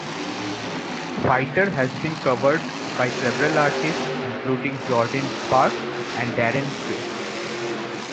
"Fighter" has been covered by several artists, including Jordin Sparks and Darren Criss.